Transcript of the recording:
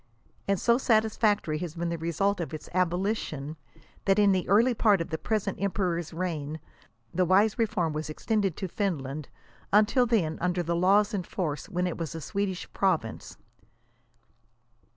And so satisfactory has been the result of its abolition, that in the early part of the present emperor's reign the wise reform was ex tended to Finland, until then under the laws in force when it was a Swedish province.